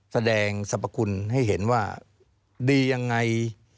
แสดงสรรพคุณให้เห็นว่าดียังไง